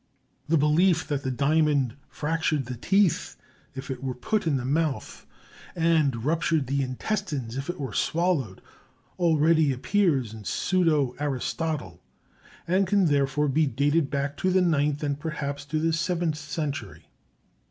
The belief that the diamond fractured the teeth if it were put in the mouth, and ruptured the intestines if it were swallowed, already appears in pseudo Aristotle, and can therefore be dated back to the ninth and perhaps to the seventh century.